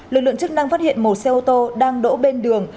lực lượng chức năng phát hiện một xe ô tô đang đỗ bên đường